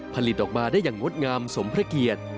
ผลิตออกมาได้อย่างงดงามสมพระเกียรติ